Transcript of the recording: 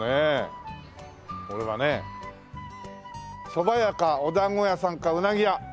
そば屋かお団子屋さんかうなぎ屋！